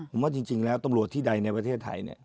ผมว่าจริงแล้วตำรวจที่ใดในประเทศไทยเนี่ย